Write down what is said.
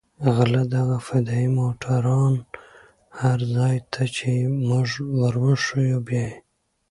غله دغه فدايي موټران هر ځاى ته چې موږ وروښيو بيايي.